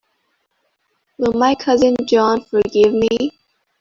Will my cousin John forgive me?